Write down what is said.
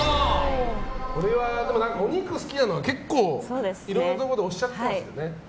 これは、お肉好きなのは結構、いろいろなところでおっしゃってますもんね。